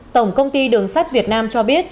tổng công ty đường sắt việt nam cho biết